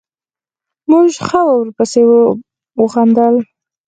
موږ ښه ورپسې وخندل.